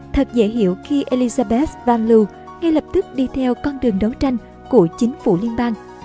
thật dễ hiểu khi elizabeth van loo ngay lập tức đi theo con đường đấu tranh của chính phủ liên bang